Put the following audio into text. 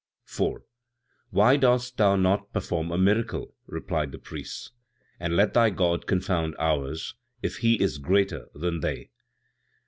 4. "Why dost not thou perform a miracle," replied the priests, "and let thy God confound ours, if He is greater than they?"